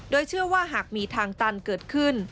โดยเชื่อว่าหากมีทางตันเกิดขึ้น